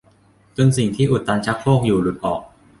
จนสิ่งที่อุดตันชักโครกอยู่หลุดออก